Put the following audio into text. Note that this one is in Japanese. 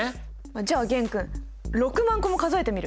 じゃあ玄君６万個も数えてみる？